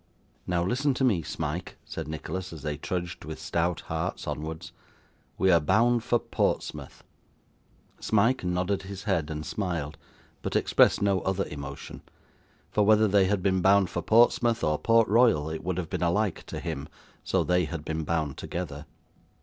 'Now listen to me, Smike,' said Nicholas, as they trudged with stout hearts onwards. 'We are bound for Portsmouth.' Smike nodded his head and smiled, but expressed no other emotion; for whether they had been bound for Portsmouth or Port Royal would have been alike to him, so they had been bound together.